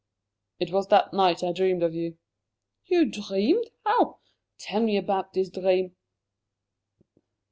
"It was that night I dreamed of you." "You dreamed? How? Tell me about this dream."